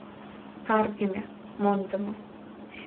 Каргыме, мондымо